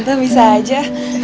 tante bisa aja